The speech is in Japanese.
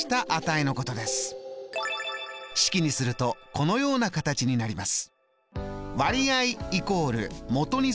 式にするとこのような形になります。